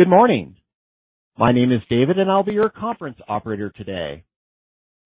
Good morning. My name is David, and I'll be your conference operator today.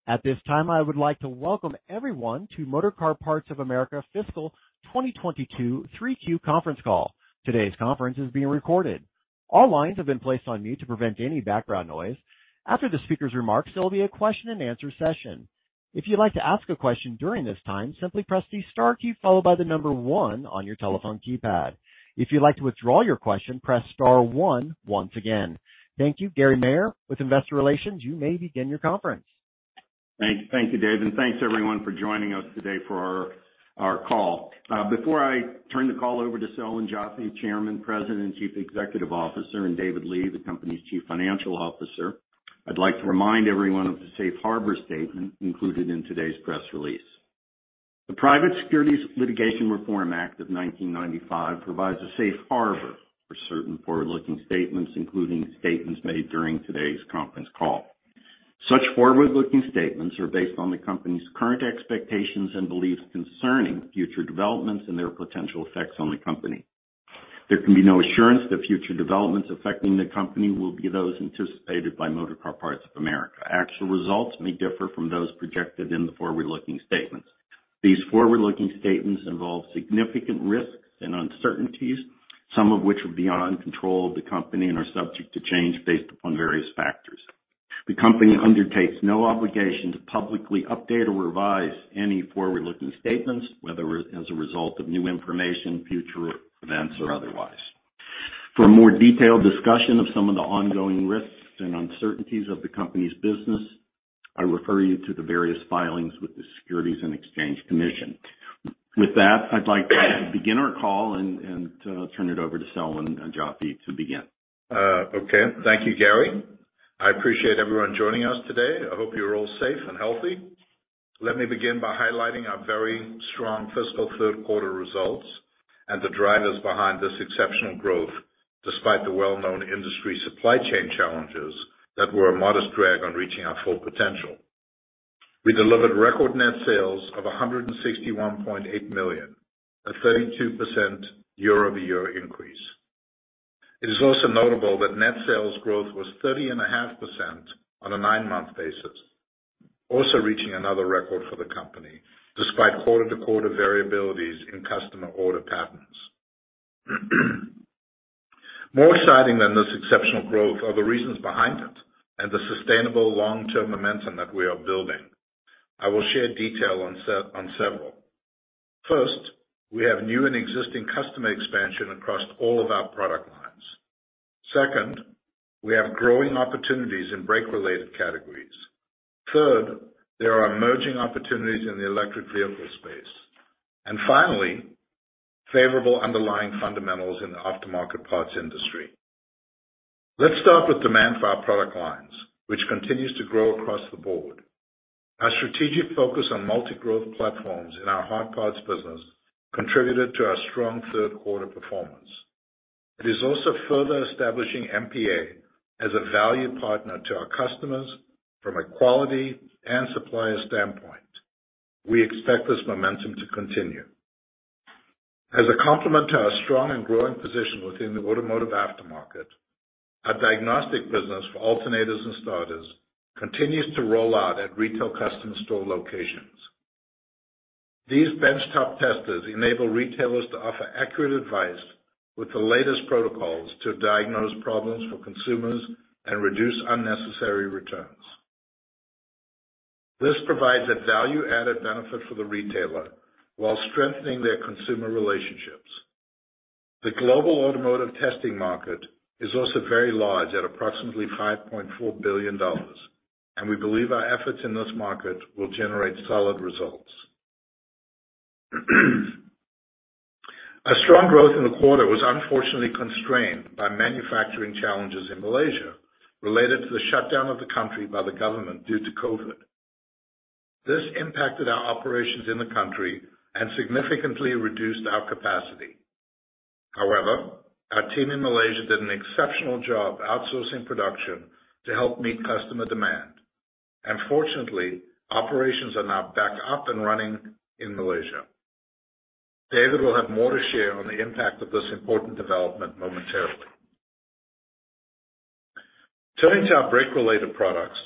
At this time, I would like to welcome everyone to Motorcar Parts of America Fiscal 2022 3Q conference call. Today's conference is being recorded. All lines have been placed on mute to prevent any background noise. After the speaker's remarks, there will be a question-and-answer session. If you'd like to ask a question during this time, simply press the star key followed by the number one on your telephone keypad. If you'd like to withdraw your question, press star one once again. Thank you. Gary Maier, with investor relations, you may begin your conference. Thank you, David. Thanks, everyone, for joining us today for our call. Before I turn the call over to Selwyn Joffe, Chairman, President, and Chief Executive Officer, and David Lee, the company's Chief Financial Officer, I'd like to remind everyone of the safe harbor statement included in today's press release. The Private Securities Litigation Reform Act of 1995 provides a safe harbor for certain forward-looking statements, including statements made during today's conference call. Such forward-looking statements are based on the company's current expectations and beliefs concerning future developments and their potential effects on the company. There can be no assurance that future developments affecting the company will be those anticipated by Motorcar Parts of America. Actual results may differ from those projected in the forward-looking statements. These forward-looking statements involve significant risks and uncertainties, some of which are beyond control of the company and are subject to change based upon various factors. The company undertakes no obligation to publicly update or revise any forward-looking statements, whether as a result of new information, future events, or otherwise. For a more detailed discussion of some of the ongoing risks and uncertainties of the company's business, I refer you to the various filings with the Securities and Exchange Commission. With that, I'd like to begin our call and turn it over to Selwyn Joffe to begin. Thank you, Gary. I appreciate everyone joining us today. I hope you're all safe and healthy. Let me begin by highlighting our very strong fiscal third quarter results and the drivers behind this exceptional growth despite the well-known industry supply chain challenges that were a modest drag on reaching our full potential. We delivered record net sales of $161.8 million, a 32% year-over-year increase. It is also notable that net sales growth was 30.5% on a nine-month basis, also reaching another record for the company despite quarter-to-quarter variabilities in customer order patterns. More exciting than this exceptional growth are the reasons behind it and the sustainable long-term momentum that we are building. I will share detail on several. First, we have new and existing customer expansion across all of our product lines. Second, we have growing opportunities in brake-related categories. Third, there are emerging opportunities in the electric vehicle space. Finally, favorable underlying fundamentals in the aftermarket parts industry. Let's start with demand for our product lines, which continues to grow across the board. Our strategic focus on multi-growth platforms in our hard parts business contributed to our strong third quarter performance. It is also further establishing MPA as a value partner to our customers from a quality and supplier standpoint. We expect this momentum to continue. As a complement to our strong and growing position within the automotive aftermarket, our diagnostic business for alternators and starters continues to roll out at retail customer store locations. These bench-top testers enable retailers to offer accurate advice with the latest protocols to diagnose problems for consumers and reduce unnecessary returns. This provides a value-added benefit for the retailer while strengthening their consumer relationships. The global automotive testing market is also very large at approximately $5.4 billion, and we believe our efforts in this market will generate solid results. Our strong growth in the quarter was unfortunately constrained by manufacturing challenges in Malaysia related to the shutdown of the country by the government due to COVID. This impacted our operations in the country and significantly reduced our capacity. However, our team in Malaysia did an exceptional job outsourcing production to help meet customer demand. Fortunately, operations are now back up and running in Malaysia. David will have more to share on the impact of this important development momentarily. Turning to our brake-related products.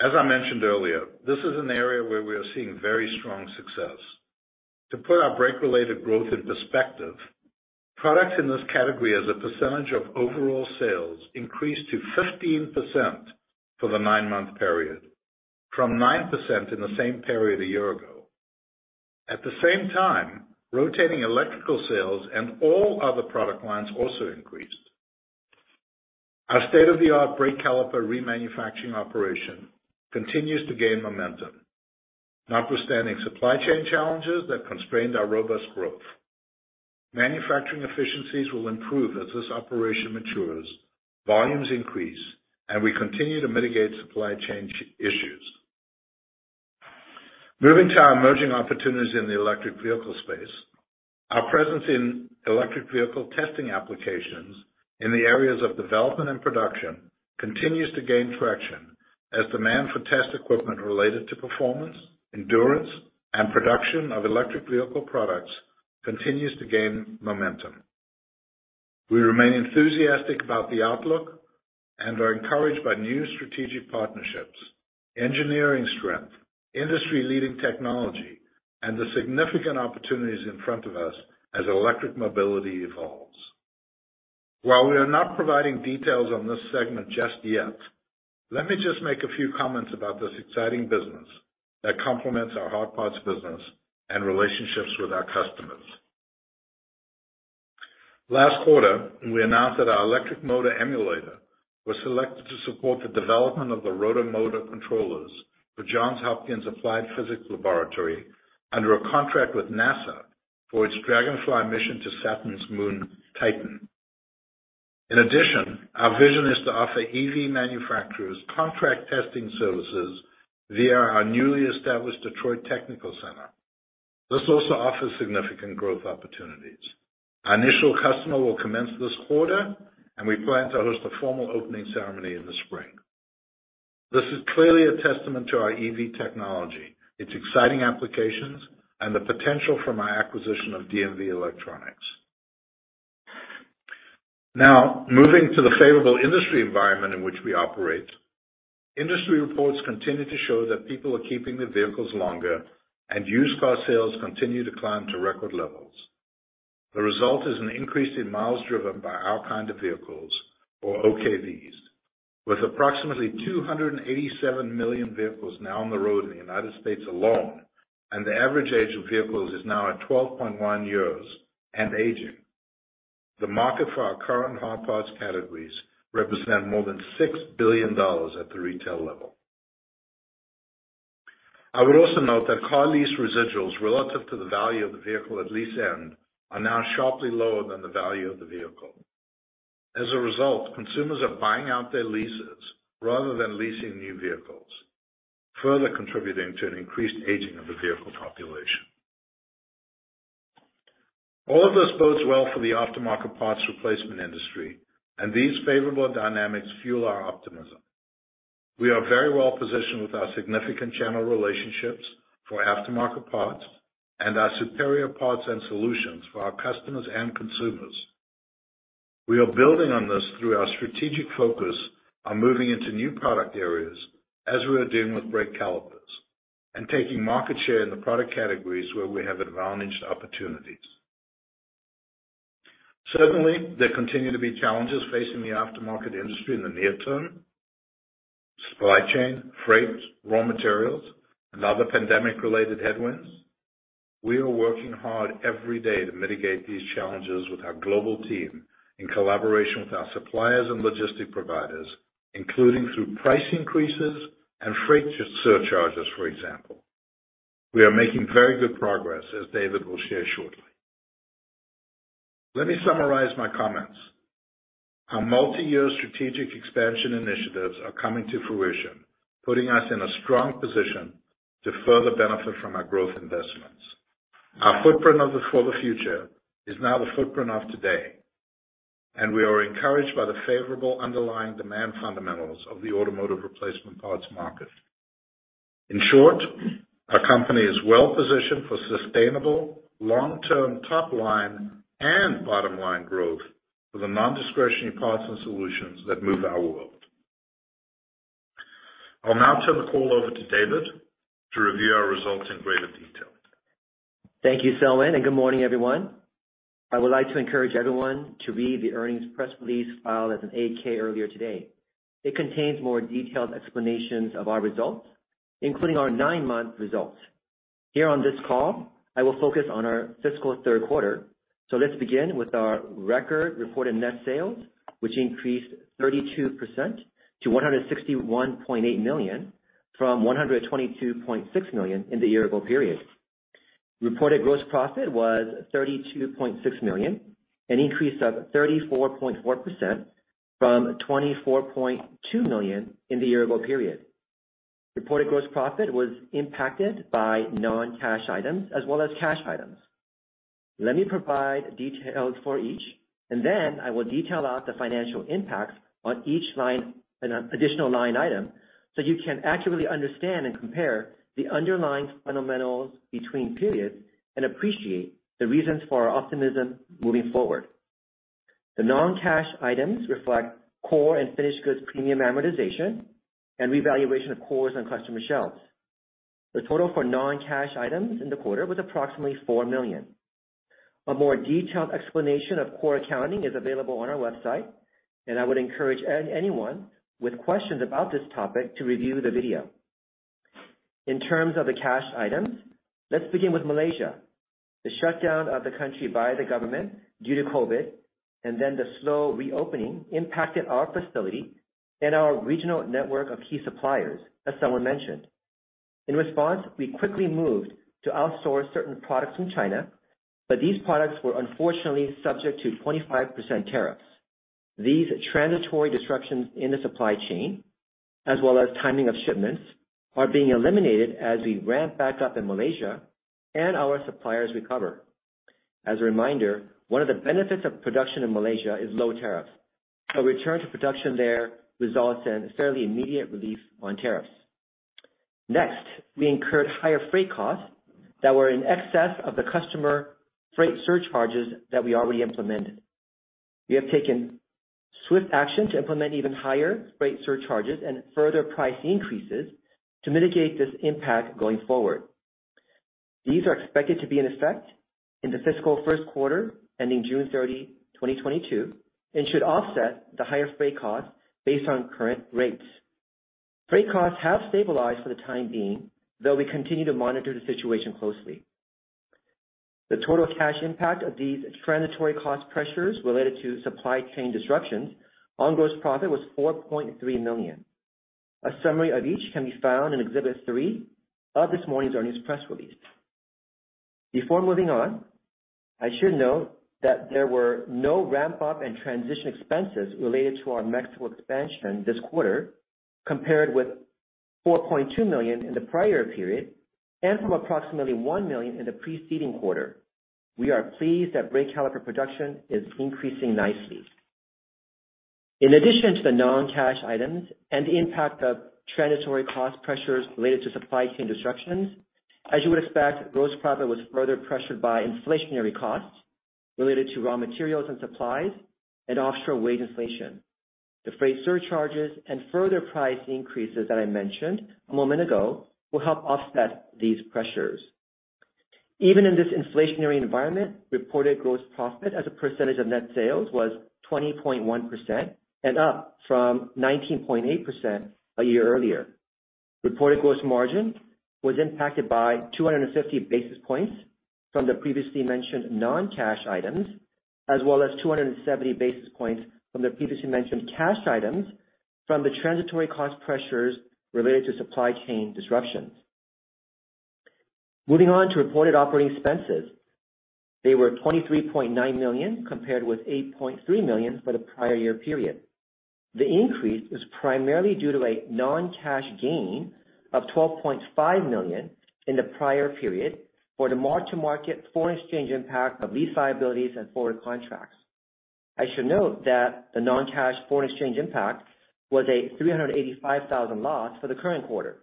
As I mentioned earlier, this is an area where we are seeing very strong success. To put our brake-related growth in perspective, products in this category as a percentage of overall sales increased to 15% for the 9-month period, from 9% in the same period a year ago. At the same time, rotating electrical sales and all other product lines also increased. Our state-of-the-art brake caliper remanufacturing operation continues to gain momentum, notwithstanding supply chain challenges that constrained our robust growth. Manufacturing efficiencies will improve as this operation matures, volumes increase, and we continue to mitigate supply chain issues. Moving to our emerging opportunities in the electric vehicle space. Our presence in electric vehicle testing applications in the areas of development and production continues to gain traction. As demand for test equipment related to performance, endurance, and production of electric vehicle products continues to gain momentum. We remain enthusiastic about the outlook and are encouraged by new strategic partnerships, engineering strength, industry-leading technology, and the significant opportunities in front of us as electric mobility evolves. While we are not providing details on this segment just yet, let me just make a few comments about this exciting business that complements our hard parts business and relationships with our customers. Last quarter, we announced that our electric motor emulator was selected to support the development of the rotary motor controllers for Johns Hopkins University Applied Physics Laboratory under a contract with NASA for its Dragonfly mission to Saturn's moon, Titan. In addition, our vision is to offer EV manufacturers contract testing services via our newly established Detroit Technical Center. This also offers significant growth opportunities. Our initial customer will commence this quarter, and we plan to host a formal opening ceremony in the spring. This is clearly a testament to our EV technology, its exciting applications, and the potential for our acquisition of D&V Electronics. Now, moving to the favorable industry environment in which we operate. Industry reports continue to show that people are keeping their vehicles longer and used car sales continue to climb to record levels. The result is an increase in miles driven by our kind of vehicles or OKVs. With approximately 287 million vehicles now on the road in the United States alone, and the average age of vehicles is now at 12.1 years and aging. The market for our current hard parts categories represent more than $6 billion at the retail level. I would also note that car lease residuals relative to the value of the vehicle at lease end are now sharply lower than the value of the vehicle. As a result, consumers are buying out their leases rather than leasing new vehicles, further contributing to an increased aging of the vehicle population. All of this bodes well for the aftermarket parts replacement industry, and these favorable dynamics fuel our optimism. We are very well positioned with our significant channel relationships for aftermarket parts and our superior parts and solutions for our customers and consumers. We are building on this through our strategic focus on moving into new product areas as we are doing with brake calipers and taking market share in the product categories where we have advantaged opportunities. Certainly, there continue to be challenges facing the aftermarket industry in the near term, supply chain, freight, raw materials, and other pandemic-related headwinds. We are working hard every day to mitigate these challenges with our global team in collaboration with our suppliers and logistics providers, including through price increases and freight surcharges, for example. We are making very good progress, as David will share shortly. Let me summarize my comments. Our multi-year strategic expansion initiatives are coming to fruition, putting us in a strong position to further benefit from our growth investments. Our footprint for the future is now the footprint of today, and we are encouraged by the favorable underlying demand fundamentals of the automotive replacement parts market. In short, our company is well positioned for sustainable long-term top line and bottom line growth for the non-discretionary parts and solutions that move our world. I'll now turn the call over to David to review our results in greater detail. Thank you, Selwyn, and good morning, everyone. I would like to encourage everyone to read the earnings press release filed as an 8-K earlier today. It contains more detailed explanations of our results, including our nine-month results. Here on this call, I will focus on our fiscal third quarter. Let's begin with our record reported net sales, which increased 32% to $161.8 million, from $122.6 million in the year-ago period. Reported gross profit was $32.6 million, an increase of 34.4% from $24.2 million in the year-ago period. Reported gross profit was impacted by non-cash items as well as cash items. Let me provide details for each, and then I will detail out the financial impacts on each line in an additional line item, so you can accurately understand and compare the underlying fundamentals between periods and appreciate the reasons for our optimism moving forward. The non-cash items reflect core and finished goods premium amortization and revaluation of cores on customer shelves. The total for non-cash items in the quarter was approximately $4 million. A more detailed explanation of core accounting is available on our website, and I would encourage anyone with questions about this topic to review the video. In terms of the cash items, let's begin with Malaysia. The shutdown of the country by the government due to COVID, and then the slow reopening impacted our facility and our regional network of key suppliers, as Selwyn mentioned. In response, we quickly moved to outsource certain products from China, but these products were unfortunately subject to 25% tariffs. These transitory disruptions in the supply chain, as well as timing of shipments, are being eliminated as we ramp back up in Malaysia and our suppliers recover. As a reminder, one of the benefits of production in Malaysia is low tariffs. A return to production there results in a fairly immediate relief on tariffs. Next, we incurred higher freight costs that were in excess of the customer freight surcharges that we already implemented. We have taken swift action to implement even higher freight surcharges and further price increases to mitigate this impact going forward. These are expected to be in effect in the fiscal Q1, ending June 30, 2022, and should offset the higher freight costs based on current rates. Freight costs have stabilized for the time being, though we continue to monitor the situation closely. The total cash impact of these transitory cost pressures related to supply chain disruptions on gross profit was $4.3 million. A summary of each can be found in Exhibit 3 of this morning's earnings press release. Before moving on, I should note that there were no ramp-up and transition expenses related to our Mexico expansion this quarter, compared with $4.2 million in the prior period and from approximately $1 million in the preceding quarter. We are pleased that brake caliper production is increasing nicely. In addition to the non-cash items and the impact of transitory cost pressures related to supply chain disruptions, as you would expect, gross profit was further pressured by inflationary costs related to raw materials and supplies and offshore wage inflation. The freight surcharges and further price increases that I mentioned a moment ago will help offset these pressures. Even in this inflationary environment, reported gross profit as a percentage of net sales was 20.1% and up from 19.8% a year earlier. Reported gross margin was impacted by 250 basis points from the previously mentioned non-cash items, as well as 270 basis points from the previously mentioned cash items from the transitory cost pressures related to supply chain disruptions. Moving on to reported operating expenses. They were $23.9 million, compared with $8.3 million for the prior year period. The increase was primarily due to a non-cash gain of $12.5 million in the prior period for the mark-to-market foreign exchange impact of lease liabilities and forward contracts. I should note that the non-cash foreign exchange impact was a $385,000 loss for the current quarter.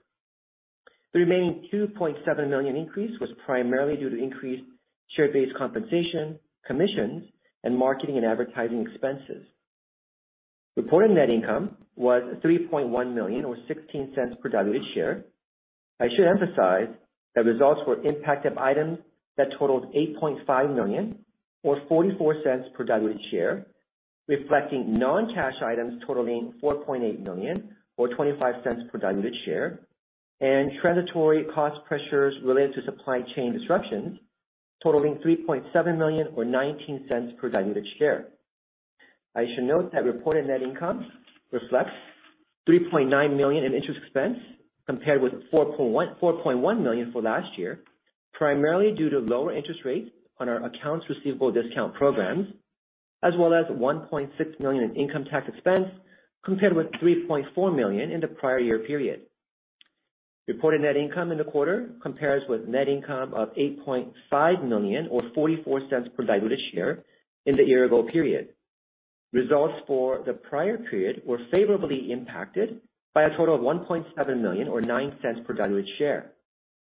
The remaining $2.7 million increase was primarily due to increased share-based compensation, commissions, and marketing and advertising expenses. Reported net income was $3.1 million, or $0.16 per diluted share. I should emphasize that results were impacted by items that totaled $8.5 million or $0.44 per diluted share, reflecting non-cash items totaling $4.8 million or $0.25 per diluted share, and transitory cost pressures related to supply chain disruptions totaling $3.7 million or $0.19 per diluted share. I should note that reported net income reflects $3.9 million in interest expense, compared with $4.1 million for last year, primarily due to lower interest rates on our accounts receivable discount programs, as well as $1.6 million in income tax expense, compared with $3.4 million in the prior year period. Reported net income in the quarter compares with net income of $8.5 million or $0.44 per diluted share in the year-ago period. Results for the prior period were favorably impacted by a total of $1.7 million or $0.09 per diluted share.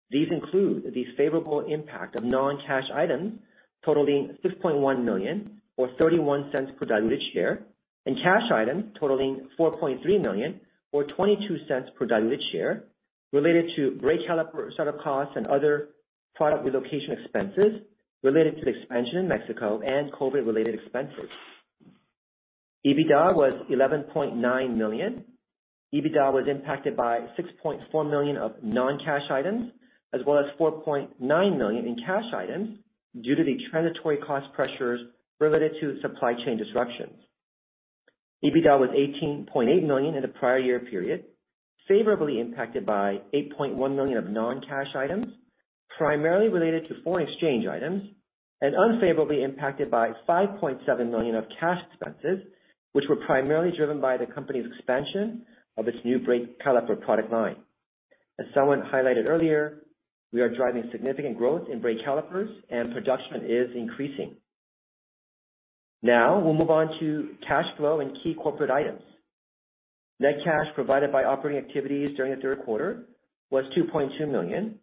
These include the favorable impact of non-cash items totaling $6.1 million or $0.31 per diluted share, and cash items totaling $4.3 million or $0.22 per diluted share related to brake caliper start-up costs and other product relocation expenses related to the expansion in Mexico and COVID-related expenses. EBITDA was $11.9 million. EBITDA was impacted by $6.4 million of non-cash items as well as $4.9 million in cash items due to the transitory cost pressures related to supply chain disruptions. EBITDA was $18.8 million in the prior year period, favorably impacted by $8.1 million of non-cash items primarily related to foreign exchange items, and unfavorably impacted by $5.7 million of cash expenses, which were primarily driven by the company's expansion of its new brake caliper product line. As someone highlighted earlier, we are driving significant growth in brake calipers and production is increasing. Now we'll move on to cash flow and key corporate items. Net cash provided by operating activities during the third quarter was $2.2 million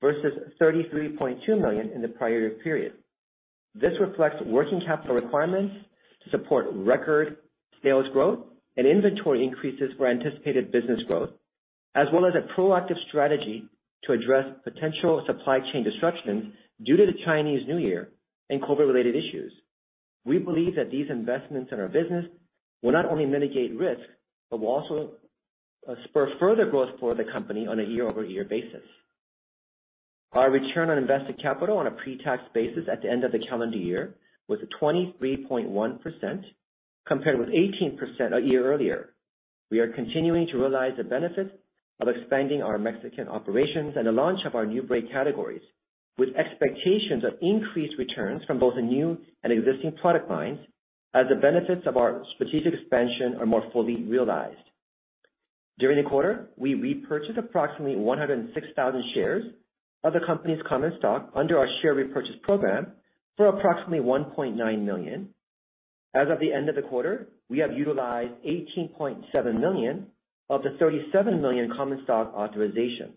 versus $33.2 million in the prior year period. This reflects working capital requirements to support record sales growth and inventory increases for anticipated business growth, as well as a proactive strategy to address potential supply chain disruptions due to the Chinese New Year and COVID-related issues. We believe that these investments in our business will not only mitigate risk, but will also spur further growth for the company on a year-over-year basis. Our return on invested capital on a pre-tax basis at the end of the calendar year was 23.1%, compared with 18% a year earlier. We are continuing to realize the benefits of expanding our Mexican operations and the launch of our new brake categories with expectations of increased returns from both the new and existing product lines as the benefits of our strategic expansion are more fully realized. During the quarter, we repurchased approximately 106,000 shares of the company's common stock under our share repurchase program for approximately $1.9 million. As of the end of the quarter, we have utilized $18.7 million of the $37 million common stock authorization.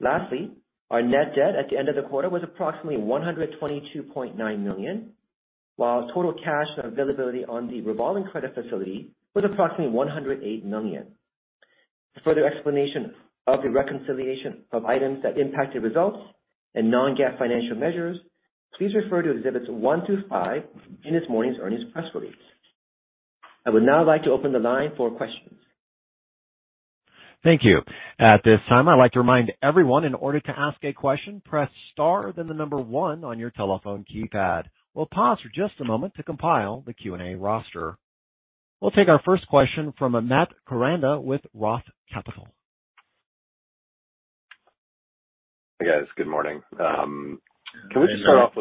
Lastly, our net debt at the end of the quarter was approximately $122.9 million, while total cash and availability on the revolving credit facility was approximately $108 million. For further explanation of the reconciliation of items that impacted results and non-GAAP financial measures, please refer to exhibits 1 to 5 in this morning's earnings press release. I would now like to open the line for questions. Thank you. At this time, I'd like to remind everyone in order to ask a question, press star then the number one on your telephone keypad. We'll pause for just a moment to compile the Q&A roster. We'll take our first question from Matt Koranda with Roth Capital. Hey, guys. Good morning. Hey, Selwyn. Can we just start off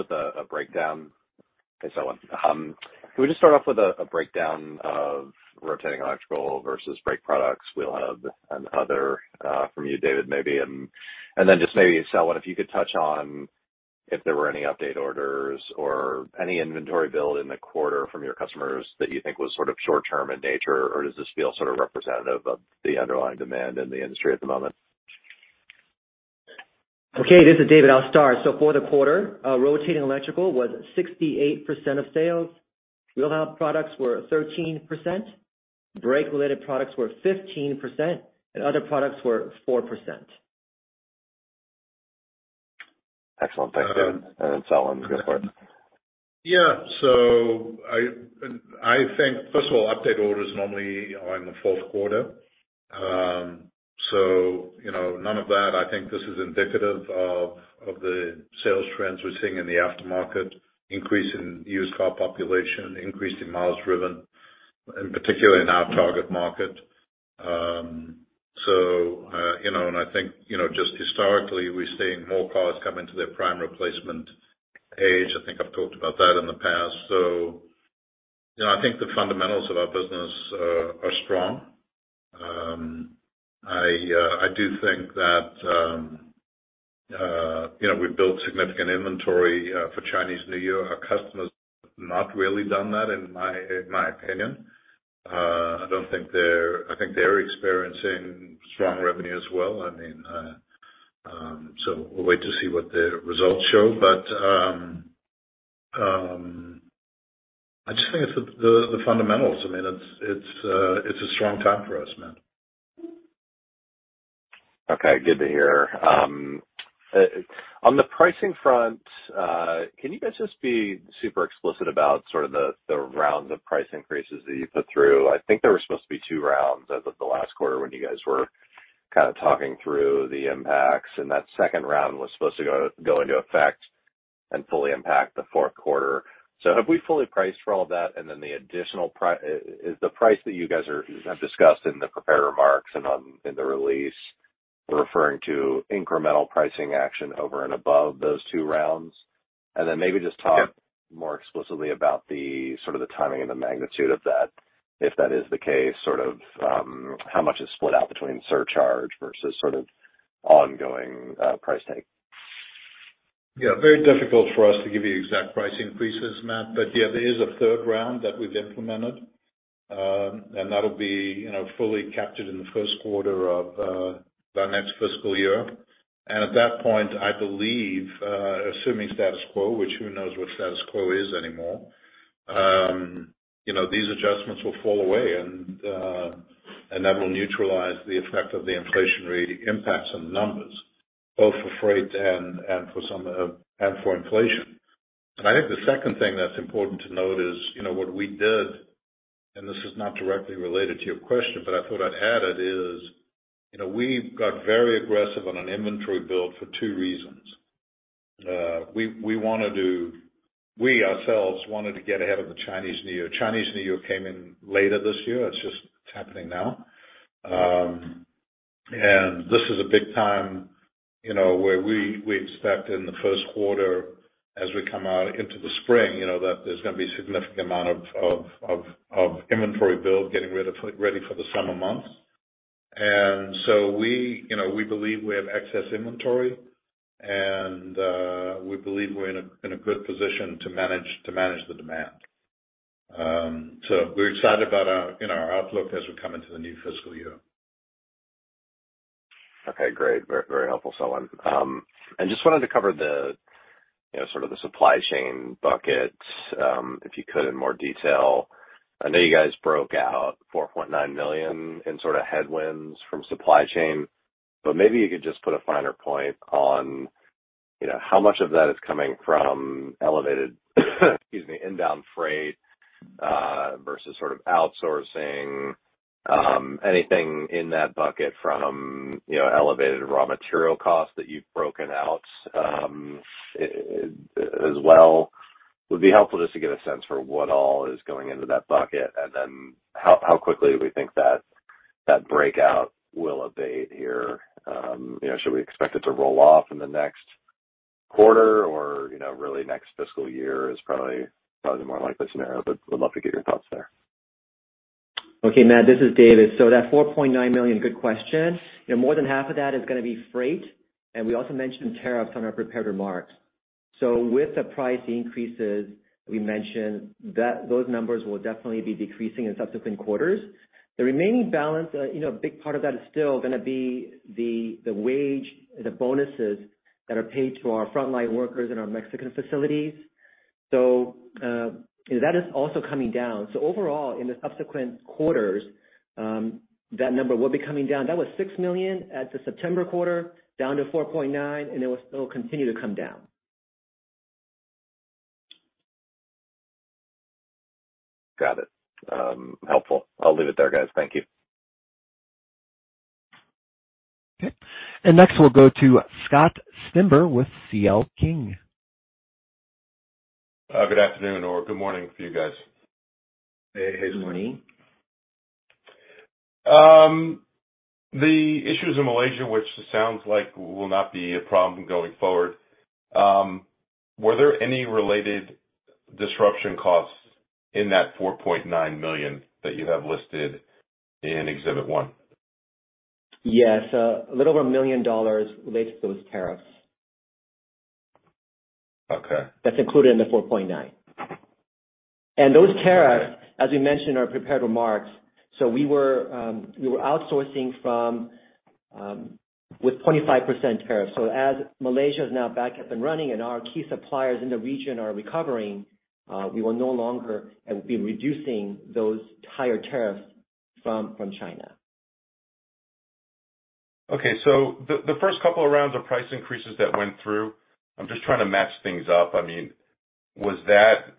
with a breakdown of rotating electrical versus brake products, wheel hub and other from you, David, maybe. Then maybe, Selwyn, if you could touch on if there were any update orders or any inventory build in the quarter from your customers that you think was sort of short term in nature, or does this feel sort of representative of the underlying demand in the industry at the moment? Okay, this is David. I'll start. For the quarter, rotating electrical was 68% of sales. Wheel hub products were 13%. Brake-related products were 15%, and other products were 4%. Excellent. Thanks, David. Selwyn, go for it. I think, first of all, update orders normally are in the fourth quarter. You know, none of that. I think this is indicative of the sales trends we're seeing in the aftermarket, increase in used car population, increase in miles driven, in particular in our target market. You know, I think, just historically, we're seeing more cars come into their prime replacement age. I think I've talked about that in the past. You know, I think the fundamentals of our business are strong. I do think that, you know, we've built significant inventory for Chinese New Year. Our customers have not really done that, in my opinion. I think they're experiencing strong revenue as well. I mean, so we'll wait to see what their results show. I just think it's the fundamentals. I mean, it's a strong time for us, Matt. Okay. Good to hear. On the pricing front, can you guys just be super explicit about sort of the rounds of price increases that you put through? I think there were supposed to be two rounds as of the last quarter when you guys were kind of talking through the impacts, and that second round was supposed to go into effect and fully impact the fourth quarter. Have we fully priced for all that? The additional pri-- Is the price that you guys are have discussed in the prepared remarks and in the release referring to incremental pricing action over and above those two rounds? Maybe just talk- Yep. more explicitly about the sort of timing and the magnitude of that, if that is the case, sort of, how much is split out between surcharge versus sort of ongoing price take? Yeah. Very difficult for us to give you exact price increases, Matt. Yeah, there is a third round that we've implemented, and that'll be, you know, fully captured in the first quarter of our next fiscal year. At that point, I believe, assuming status quo, which who knows what status quo is anymore, you know, these adjustments will fall away and that will neutralize the effect of the inflationary impacts on the numbers, both for freight and for inflation. I think the second thing that's important to note is, you know, what we did, and this is not directly related to your question, but I thought I'd add it, is, you know, we got very aggressive on an inventory build for two reasons. We ourselves wanted to get ahead of the Chinese New Year. Chinese New Year came in later this year. It's just happening now. This is a big time, you know, where we expect in the first quarter as we come out into the spring, you know, that there's gonna be a significant amount of inventory build ready for the summer months. We believe we have excess inventory, and we believe we're in a good position to manage the demand. We're excited about our outlook as we come into the new fiscal year. Okay, great. Very, very helpful, Selwyn. I just wanted to cover the, you know, sort of the supply chain buckets, if you could in more detail. I know you guys broke out $4.9 million in sort of headwinds from supply chain, but maybe you could just put a finer point on, you know, how much of that is coming from elevated, excuse me, inbound freight, versus sort of outsourcing. Anything in that bucket from, you know, elevated raw material costs that you've broken out, as well, would be helpful just to get a sense for what all is going into that bucket and then how quickly we think that breakout will abate here. You know, should we expect it to roll off in the next- Quarter or, you know, really next fiscal year is probably the more likely scenario, but would love to get your thoughts there. Okay, Matt, this is David. That $4.9 million, good question. You know, more than half of that is gonna be freight, and we also mentioned tariffs in our prepared remarks. With the price increases we mentioned, those numbers will definitely be decreasing in subsequent quarters. The remaining balance, you know, a big part of that is still gonna be the wages, the bonuses that are paid to our front-line workers in our Mexican facilities. That is also coming down. Overall, in the subsequent quarters, that number will be coming down. That was $6 million at the September quarter, down to $4.9 million, and it will still continue to come down. Got it. Helpful. I'll leave it there, guys. Thank you. Okay. Next, we'll go to Scott Stember with C.L. King. Good afternoon or good morning for you guys. Hey. Good morning. The issues in Malaysia, which sounds like will not be a problem going forward, were there any related disruption costs in that $4.9 million that you have listed in Exhibit 1? Yes, a little over $1 million related to those tariffs. Okay. That's included in the $4.9. Those tariffs, as we mentioned in our prepared remarks, we were outsourcing from with 25% tariffs. As Malaysia is now back up and running and our key suppliers in the region are recovering, we will no longer and will be reducing those higher tariffs from China. Okay. The first couple of rounds of price increases that went through, I'm just trying to match things up. I mean, was that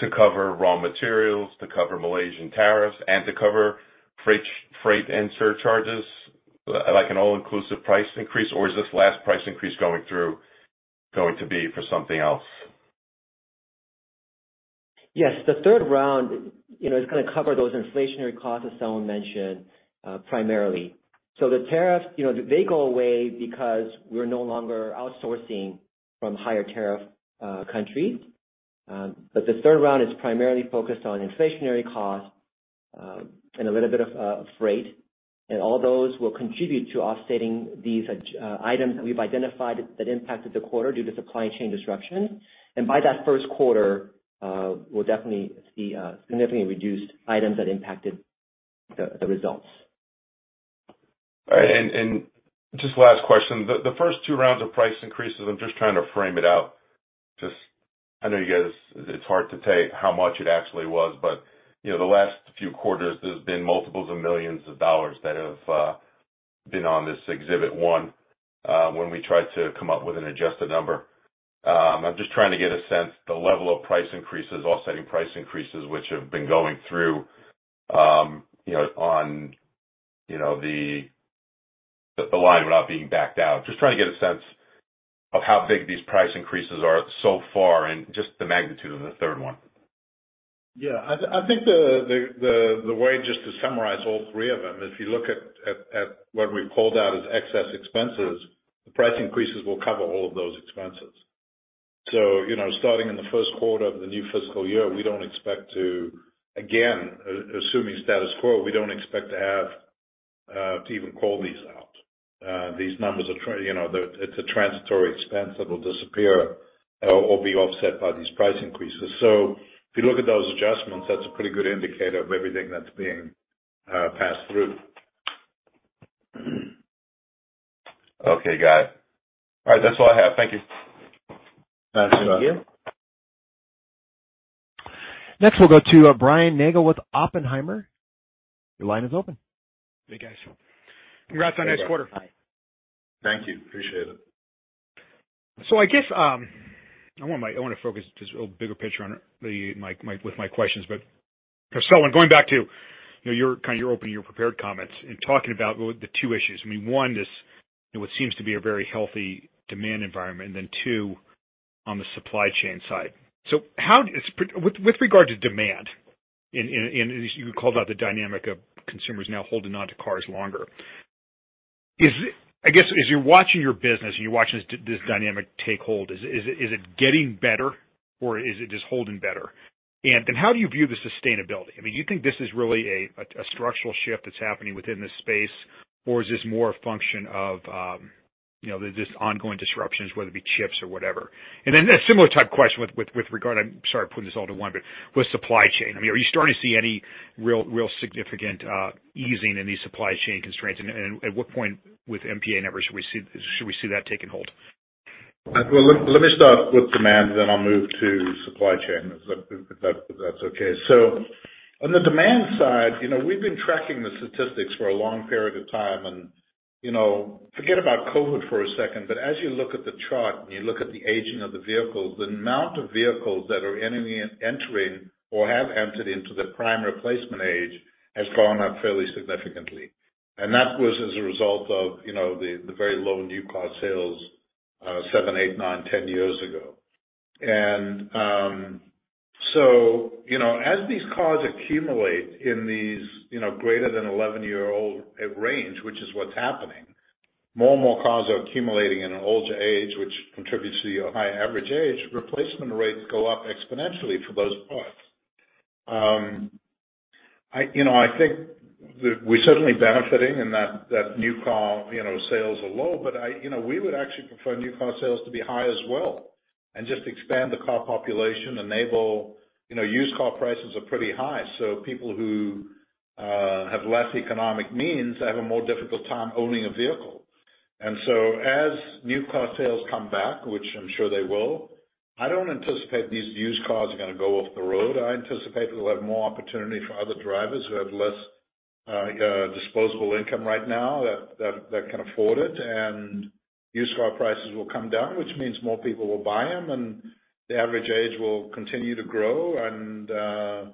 to cover raw materials, to cover Malaysian tariffs, and to cover freight and surcharges, like an all-inclusive price increase, or is this last price increase going through going to be for something else? Yes. The third round, you know, is gonna cover those inflationary costs, as Selwyn mentioned, primarily. The tariffs, you know, they go away because we're no longer outsourcing from higher tariff countries. The third round is primarily focused on inflationary costs, and a little bit of freight. All those will contribute to offsetting these items that we've identified that impacted the quarter due to supply chain disruption. By that first quarter, we'll definitely see significantly reduced items that impacted the results. All right. Just last question. The first two rounds of price increases, I'm just trying to frame it out. Just, I know you guys, it's hard to say how much it actually was, but you know, the last few quarters, there's been multiples of $ millions that have been on this exhibit one, when we try to come up with an adjusted number. I'm just trying to get a sense of the level of price increases, offsetting price increases, which have been going through, you know, on, you know, the line without being backed out. Just trying to get a sense of how big these price increases are so far and just the magnitude of the third one. Yeah. I think the way just to summarize all three of them, if you look at what we called out as excess expenses, the price increases will cover all of those expenses. You know, starting in the first quarter of the new fiscal year, we don't expect to, again, assuming status quo, we don't expect to have to even call these out. These numbers are, you know, it's a transitory expense that will disappear or be offset by these price increases. If you look at those adjustments, that's a pretty good indicator of everything that's being passed through. Okay. Got it. All right. That's all I have. Thank you. Thank you. Next, we'll go to Brian Nagel with Oppenheimer. Your line is open. Hey, guys. Congrats on next quarter. Thank you. Appreciate it. I guess I want to focus just a little on the bigger picture with my questions. Going back to, you know, kind of your opening prepared comments and talking about the two issues. I mean, one is, you know, what seems to be a very healthy demand environment and then two, on the supply chain side. How is it with regard to demand, and as you called out the dynamic of consumers now holding onto cars longer. I guess as you're watching your business and this dynamic take hold, is it getting better or is it just holding better? And then how do you view the sustainability? I mean, do you think this is really a structural shift that's happening within this space, or is this more a function of, you know, this ongoing disruptions, whether it be chips or whatever? Then a similar type question with regard, I'm sorry, I'm putting this all in one, but with supply chain. I mean, are you starting to see any real significant easing in these supply chain constraints? At what point with MPA numbers should we see that taking hold? Well, let me start with demand, then I'll move to supply chain if that's okay. On the demand side, you know, we've been tracking the statistics for a long period of time and, you know, forget about COVID for a second, but as you look at the chart and you look at the aging of the vehicles, the amount of vehicles that are entering or have entered into the prime replacement age has gone up fairly significantly. That was as a result of, you know, the very low new car sales seven, eight, nine, 10 years ago. You know, as these cars accumulate in these, you know, greater than 11-year-old range, which is what's happening, more and more cars are accumulating in an older age, which contributes to your high average age, replacement rates go up exponentially for those parts. I, you know, I think that we're certainly benefiting in that new car, you know, sales are low, but I, you know, we would actually prefer new car sales to be high as well and just expand the car population. You know, used car prices are pretty high, so people who have less economic means have a more difficult time owning a vehicle. As new car sales come back, which I'm sure they will, I don't anticipate these used cars are gonna go off the road. I anticipate we'll have more opportunity for other drivers who have less disposable income right now that can afford it. Used car prices will come down, which means more people will buy them, and the average age will continue to grow.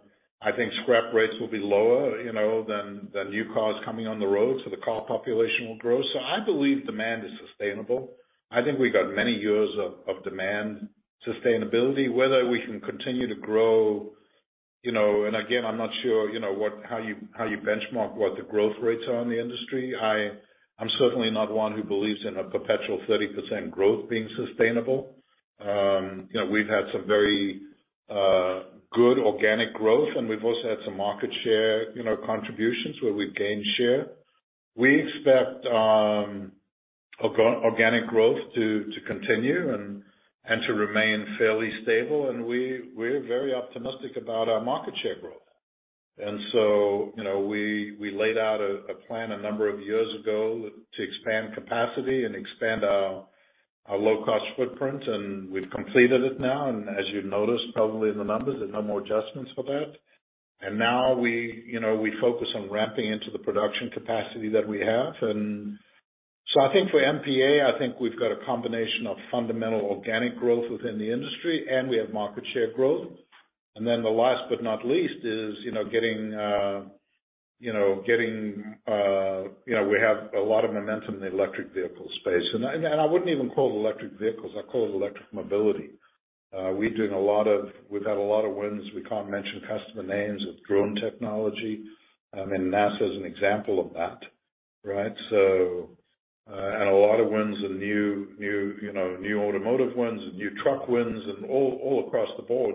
I think scrap rates will be lower, you know, than new cars coming on the road, so the car population will grow. I believe demand is sustainable. I think we've got many years of demand sustainability. Whether we can continue to grow, you know. Again, I'm not sure, you know, how you benchmark what the growth rates are in the industry. I'm certainly not one who believes in a perpetual 30% growth being sustainable. You know, we've had some very good organic growth, and we've also had some market share, you know, contributions where we've gained share. We expect organic growth to continue and to remain fairly stable. We're very optimistic about our market share growth. You know, we laid out a plan a number of years ago to expand capacity and expand our low-cost footprint, and we've completed it now. As you've noticed probably in the numbers, there are no more adjustments for that. Now you know, we focus on ramping into the production capacity that we have. I think for MPA, we've got a combination of fundamental organic growth within the industry, and we have market share growth. Then the last but not least is you know getting you know we have a lot of momentum in the electric vehicle space. I wouldn't even call it electric vehicles, I'd call it electric mobility. We've had a lot of wins. We can't mention customer names with drone technology. I mean, NASA is an example of that, right? And a lot of wins and new you know new automotive wins and new truck wins and all across the board.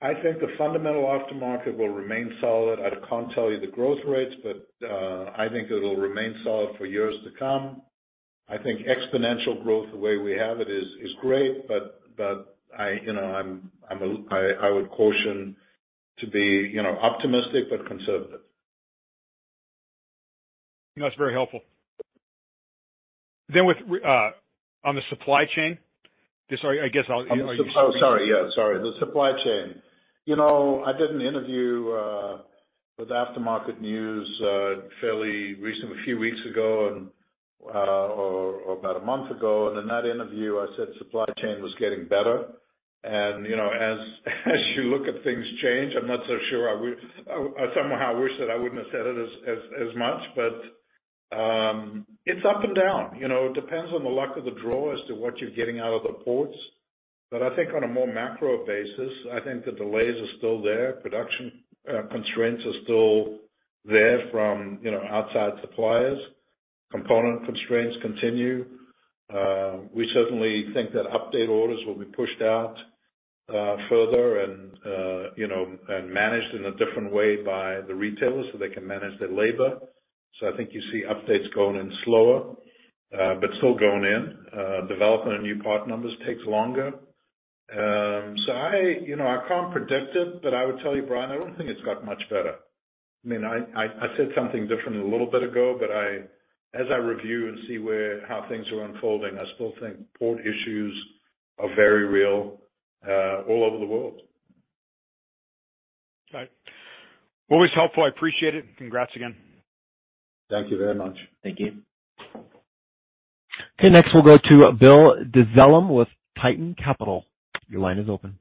I think the fundamental aftermarket will remain solid. I can't tell you the growth rates, but I think it'll remain solid for years to come. I think exponential growth, the way we have it is, great, but you know, I would caution to be, you know, optimistic but conservative. No, it's very helpful. With on the supply chain. Sorry, I guess I'll- Oh, sorry. Yeah, sorry. The supply chain. You know, I did an interview with Aftermarket News fairly recent, a few weeks ago or about a month ago. In that interview, I said supply chain was getting better. You know, as you look at things change, I'm not so sure I would. I somehow wish that I wouldn't have said it as much, but it's up and down. You know, it depends on the luck of the draw as to what you're getting out of the ports. I think on a more macro basis, I think the delays are still there. Production constraints are still there from outside suppliers. Component constraints continue. We certainly think that update orders will be pushed out further and, you know, and managed in a different way by the retailers so they can manage their labor. I think you see updates going in slower, but still going in. Development of new part numbers takes longer. You know, I can't predict it, but I would tell you, Brian, I don't think it's got much better. I mean, I said something different a little bit ago, but as I review and see how things are unfolding, I still think port issues are very real all over the world. All right. Always helpful. I appreciate it. Congrats again. Thank you very much. Thank you. Okay. Next, we'll go to Bill Dezellem with Tieton Capital Management. Your line is open.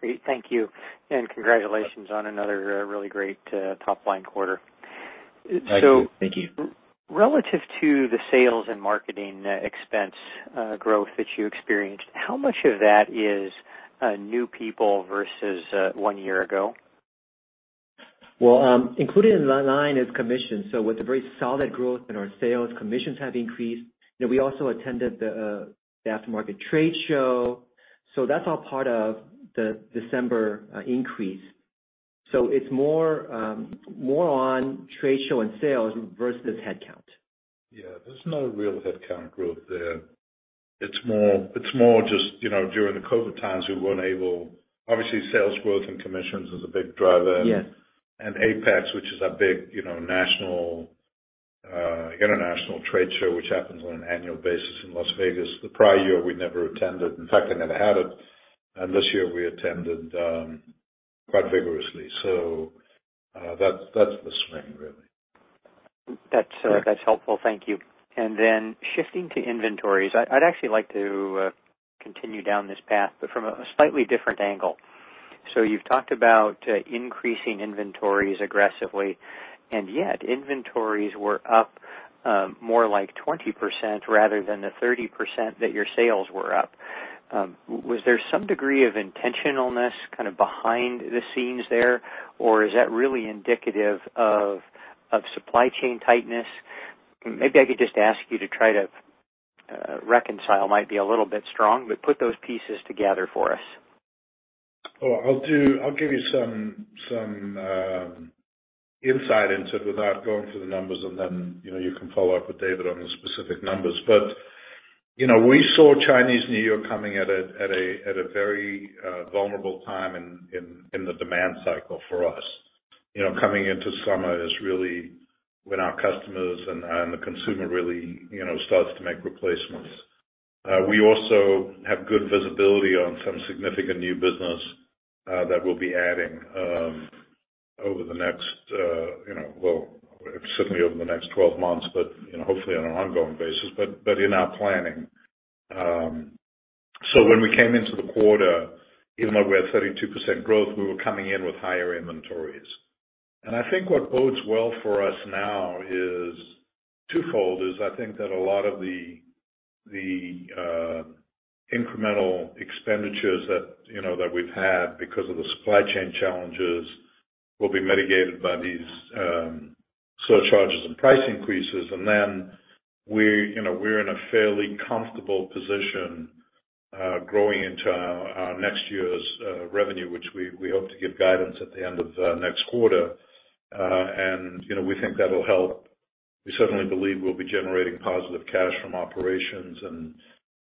Great. Thank you. Congratulations on another, really great, top line quarter. Thank you. Relative to the sales and marketing expense growth that you experienced, how much of that is new people versus one year ago? Well, included in the line is commission. With the very solid growth in our sales, commissions have increased. You know, we also attended the aftermarket trade show. That's all part of the December increase. It's more on trade show and sales versus headcount. Yeah. There's no real headcount growth there. It's more just, you know, during the COVID times, we weren't able. Obviously, sales growth and commissions is a big driver. Yeah. AAPEX, which is a big, you know, national, international trade show, which happens on an annual basis in Las Vegas. The prior year, we never attended. In fact, they never had it. This year we attended quite vigorously. That's the swing really. That's helpful. Thank you. Shifting to inventories. I'd actually like to continue down this path, but from a slightly different angle. You've talked about increasing inventories aggressively, and yet inventories were up more like 20% rather than the 30% that your sales were up. Was there some degree of intentionalness kind of behind the scenes there? Or is that really indicative of supply chain tightness? Maybe I could just ask you to try to reconcile, might be a little bit strong, but put those pieces together for us. I'll give you some insight into it without going through the numbers and then, you know, you can follow up with David on the specific numbers. You know, we saw Chinese New Year coming at a very vulnerable time in the demand cycle for us. You know, coming into summer is really when our customers and the consumer really, you know, starts to make replacements. We also have good visibility on some significant new business that we'll be adding over the next, you know. Well, certainly over the next 12 months, but, you know, hopefully on an ongoing basis, but in our planning. When we came into the quarter, even though we had 32% growth, we were coming in with higher inventories. I think what bodes well for us now is twofold. I think that a lot of the incremental expenditures that, you know, that we've had because of the supply chain challenges will be mitigated by these surcharges and price increases. Then we're, you know, we're in a fairly comfortable position growing into our next year's revenue, which we hope to give guidance at the end of next quarter. You know, we think that'll help. We certainly believe we'll be generating positive cash from operations,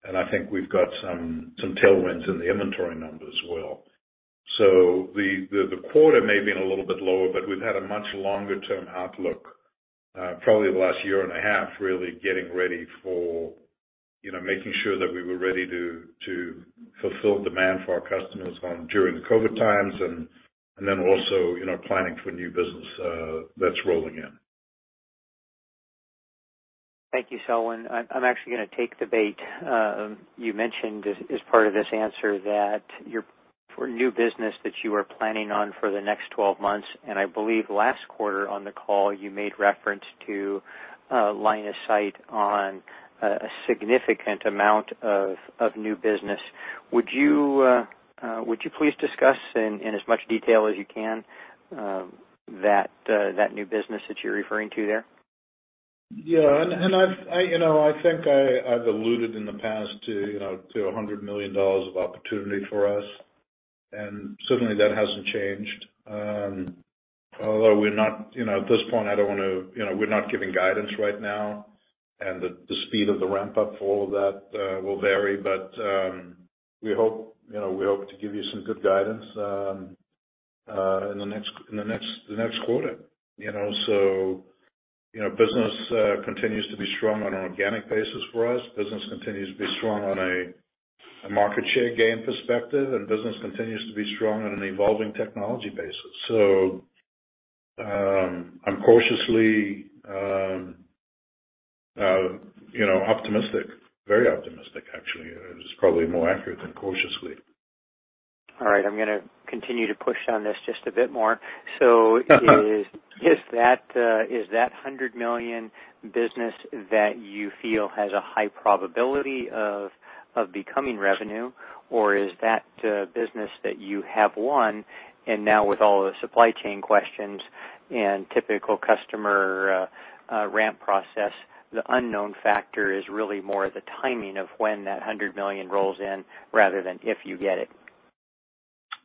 and I think we've got some tailwinds in the inventory numbers as well. The quarter may have been a little bit lower, but we've had a much long-term outlook, probably the last year and a half, really getting ready for, you know, making sure that we were ready to fulfill demand for our customers and during the COVID times and then also, you know, planning for new business that's rolling in. Thank you, Selwyn. I'm actually gonna take the bait. You mentioned as part of this answer that for new business that you are planning on for the next 12 months, and I believe last quarter on the call, you made reference to line of sight on a significant amount of new business. Would you please discuss in as much detail as you can that new business that you're referring to there? I've alluded in the past to $100 million of opportunity for us, and certainly that hasn't changed. Although we're not, you know, at this point, we're not giving guidance right now, and the speed of the ramp-up for all of that will vary. We hope to give you some good guidance in the next quarter. Business continues to be strong on an organic basis for us. Business continues to be strong on a market share gain perspective, and business continues to be strong on an evolving technology basis. I'm cautiously, you know, optimistic. Very optimistic actually is probably more accurate than cautiously. All right. I'm gonna continue to push on this just a bit more. Is that $100 million business that you feel has a high probability of becoming revenue, or is that business that you have won and now with all the supply chain questions and typical customer ramp process, the unknown factor is really more the timing of when that $100 million rolls in rather than if you get it?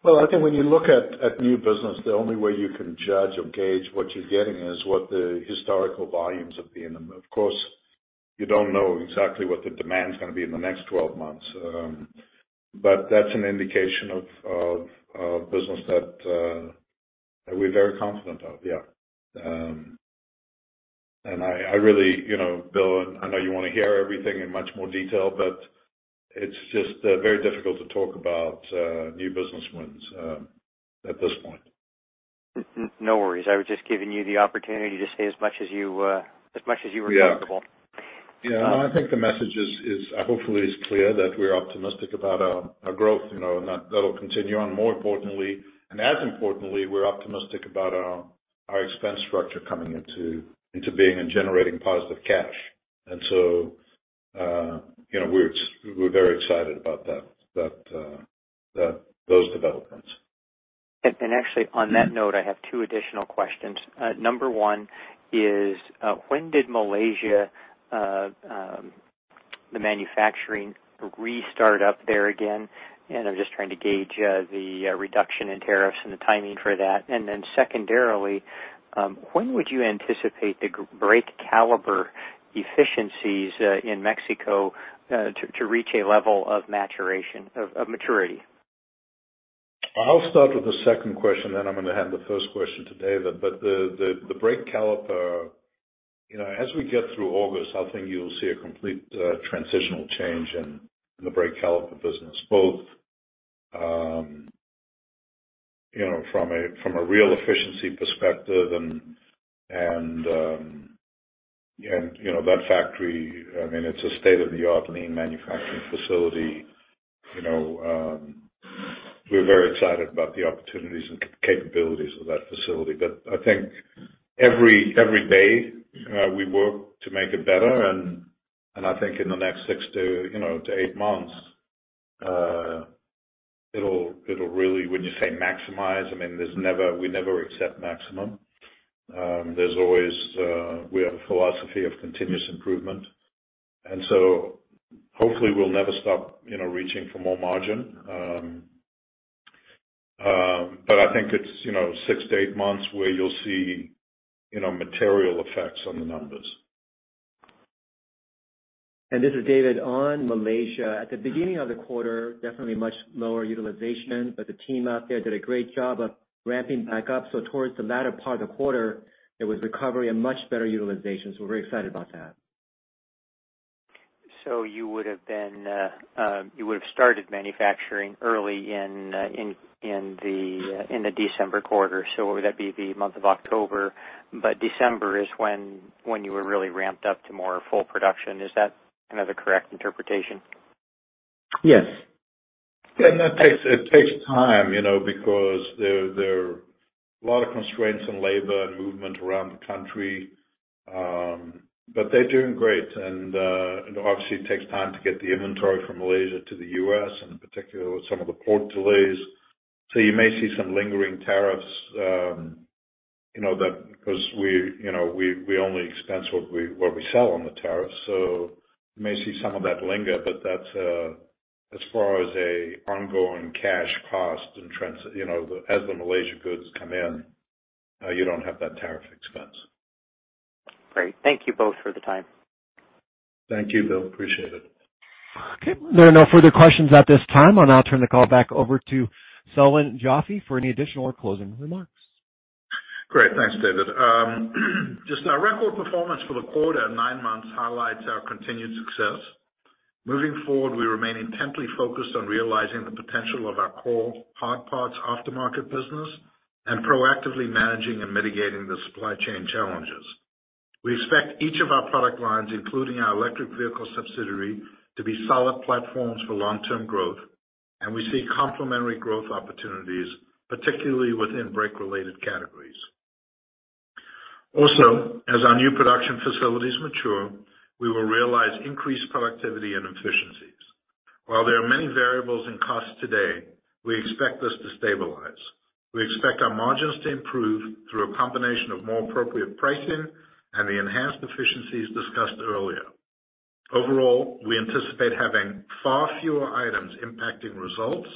Well, I think when you look at new business, the only way you can judge or gauge what you're getting is what the historical volumes have been. Of course, you don't know exactly what the demand's gonna be in the next 12 months. But that's an indication of business that we're very confident of. Yeah. I really, you know, Bill, I know you wanna hear everything in much more detail, but it's just very difficult to talk about new business wins at this point. No worries. I was just giving you the opportunity to say as much as you were comfortable. Yeah. I think the message is hopefully clear that we're optimistic about our growth, you know, and that that'll continue on. More importantly and as importantly, we're optimistic about our expense structure coming into being and generating positive cash. You know, we're very excited about that those developments. Actually on that note, I have two additional questions. Number one is, when did Malaysia the manufacturing restart up there again? I'm just trying to gauge the reduction in tariffs and the timing for that. Then secondarily, when would you anticipate the brake caliper efficiencies in Mexico to reach a level of maturity? I'll start with the second question, then I'm gonna hand the first question to David. The brake caliper, you know, as we get through August, I think you'll see a complete transitional change in the brake caliper business, both, you know, from a real efficiency perspective and, you know, that factory, I mean, it's a state-of-the-art lean manufacturing facility. You know, we're very excited about the opportunities and capabilities of that facility. I think every day we work to make it better. I think in the next six to eight months, it'll really. When you say maximize, I mean, we never accept maximum. There's always we have a philosophy of continuous improvement. Hopefully we'll never stop, you know, reaching for more margin. I think it's, you know, 6-8 months where you'll see, you know, material effects on the numbers. This is David. On Malaysia, at the beginning of the quarter, definitely much lower utilization, but the team out there did a great job of ramping back up. Towards the latter part of the quarter, there was recovery and much better utilization, so we're very excited about that. You would've started manufacturing early in the December quarter. Would that be the month of October? December is when you were really ramped up to more full production. Is that kind of the correct interpretation? Yes. Yeah. It takes time, you know, because there are a lot of constraints in labor and movement around the country. They're doing great. Obviously it takes time to get the inventory from Malaysia to the U.S., and in particular with some of the port delays. You may see some lingering tariffs, you know, because we only expense what we sell on the tariffs. You may see some of that linger, but that's as far as an ongoing cash cost in transit. You know, as the Malaysia goods come in, you don't have that tariff expense. Great. Thank you both for the time. Thank you, Bill. Appreciate it. Okay, there are no further questions at this time. I'll now turn the call back over to Selwyn Joffe for any additional or closing remarks. Great. Thanks, David. Just our record performance for the quarter and nine months highlights our continued success. Moving forward, we remain intently focused on realizing the potential of our core hard parts aftermarket business and proactively managing and mitigating the supply chain challenges. We expect each of our product lines, including our electric vehicle subsidiary, to be solid platforms for long-term growth, and we see complementary growth opportunities, particularly within brake-related categories. Also, as our new production facilities mature, we will realize increased productivity and efficiencies. While there are many variables in cost today, we expect this to stabilize. We expect our margins to improve through a combination of more appropriate pricing and the enhanced efficiencies discussed earlier. Overall, we anticipate having far fewer items impacting results.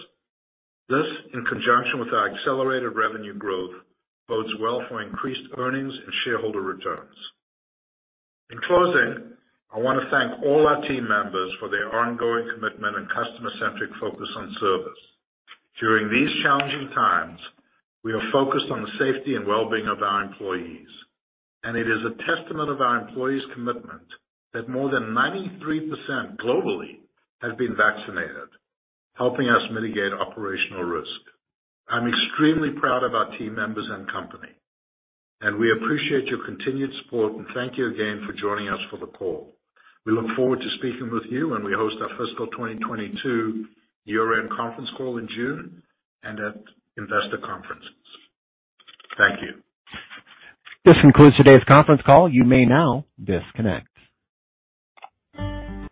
This, in conjunction with our accelerated revenue growth, bodes well for increased earnings and shareholder returns. In closing, I wanna thank all our team members for their ongoing commitment and customer-centric focus on service. During these challenging times, we are focused on the safety and well-being of our employees, and it is a testament of our employees' commitment that more than 93% globally have been vaccinated, helping us mitigate operational risk. I'm extremely proud of our team members and company, and we appreciate your continued support, and thank you again for joining us for the call. We look forward to speaking with you when we host our fiscal 2022 year-end conference call in June and at investor conferences. Thank you. This concludes today's conference call. You may now disconnect.